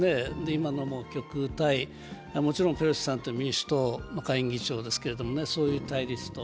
今のも極右対、もちろんペロシさんというのは民主党の下院議長ですけどね、そういう対立と。